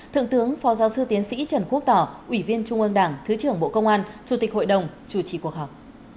thượng tướng phó giáo sư tiến sĩ trần quốc tỏ ủy viên trung ương đảng thứ trưởng bộ công an chủ tịch hội đồng chủ trì cuộc họp